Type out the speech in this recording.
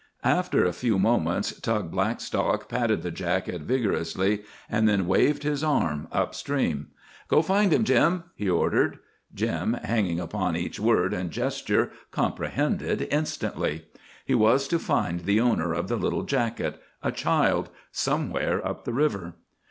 After a few moments, Tug Blackstock patted the jacket vigorously, and then waved his arm up stream. "Go, find him, Jim!" he ordered. Jim, hanging upon each word and gesture, comprehended instantly. He was to find the owner of the little jacket—a child—somewhere up the river.